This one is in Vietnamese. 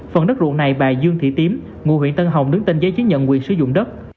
phần đất ruộng này bà dương thị tím ngụ huyện tân hồng đứng tên giấy chứng nhận quyền sử dụng đất